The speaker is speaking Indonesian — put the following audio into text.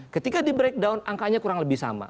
ketika di breakdown angkanya kurang lebih sama